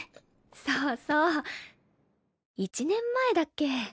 そうそう１年前だっけ？